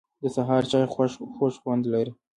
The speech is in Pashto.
د سهار چای خوږ خوند لري